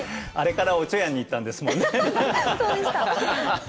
あれから「おちょやん」にいったんですもんね。